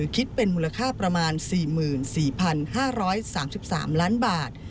คิดเป็นมูลค่าประมาณ๔๔๕๓๓ล้านบาท